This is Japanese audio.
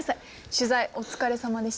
取材お疲れさまでした。